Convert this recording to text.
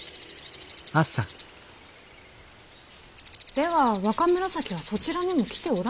では若紫はそちらにも来ておらぬのか。